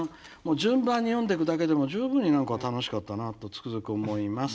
順番に読んでいくだけでも十分に楽しかったなとつくづく思います。